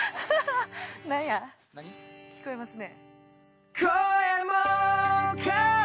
何や聞こえますね。